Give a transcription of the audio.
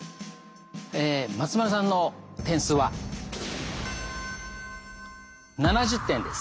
え松丸さんの点数は７０点です。